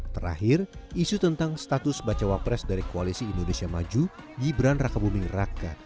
terakhir isu tentang status bacawa pres dari koalisi indonesia maju gibran raka buming raka